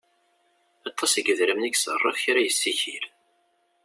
Aṭas n yedrimen i iṣerref kra yessikil.